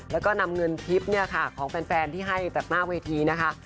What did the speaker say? แล้วก็นำเงินทริพย์ของแฟนที่ให้จากหน้าเวทีนะคะ